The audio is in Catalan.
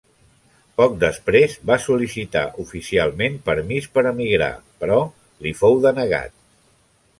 Poc després, va sol·licitar oficialment permís per emigrar, però li fou denegat.